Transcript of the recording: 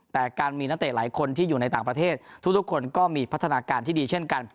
แต่การมีนักเตะหลายคนที่อยู่ในต่างประเทศทุกคนก็มีพัฒนาการที่ดีเช่นกัน